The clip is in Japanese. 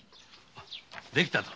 できたぞ。